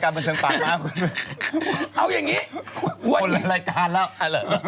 คนละรายการแล้วอ่ะเหรอ